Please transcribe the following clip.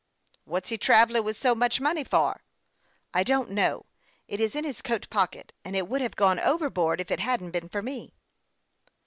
" What's he travelling with so much money for ?"" I don't know. It is in his coat pocket, and it would have gone overboard if it hadn't been for me."